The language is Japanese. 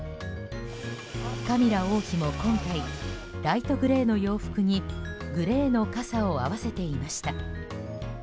カミラ王妃も今回ライトグレーの洋服にグレーの傘を合わせていました。